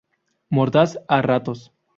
Mordaz, a ratos.